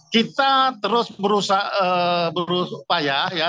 kita terus berusaha berusaha ya ya